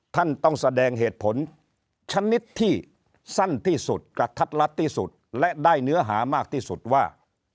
ท่านต้องแสดงเหตุผลชนิดที่สั้นที่สุดกระทัดลัดที่สุดและได้เนื้อหามากที่สุดว่า